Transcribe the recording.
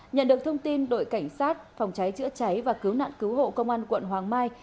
nhận được thông tin đội cảnh sát phòng cháy chữa cháy và cứu nạn cứu hộ công an quận hoàng mai